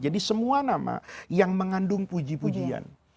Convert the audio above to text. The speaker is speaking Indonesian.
semua nama yang mengandung puji pujian